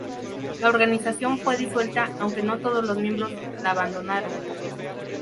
La organización fue disuelta, aunque no todos los miembros la abandonaron.